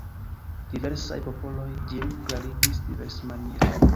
Diversaj popoloj ĝin klarigis diversmaniere.